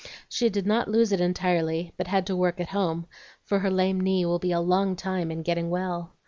She did not lose it entirely, but had to work at home, for her lame knee will be a long time in getting well.